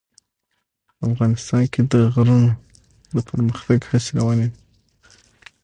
افغانستان کې د غرونه د پرمختګ هڅې روانې دي.